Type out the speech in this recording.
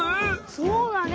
そうだね！